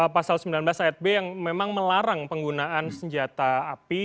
pasal sembilan belas ayat b yang memang melarang penggunaan senjata api